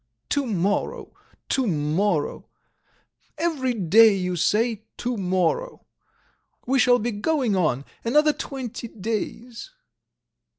..." "To morrow, to morrow. ... Every day you say to morrow. We shall be going on another twenty days."